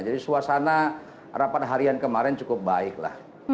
jadi suasana rapat harian kemarin cukup baiklah